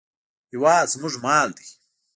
هېواد زموږ مال دی